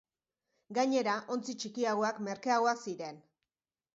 Gainera, ontzi txikiagoak merkeagoak ziren.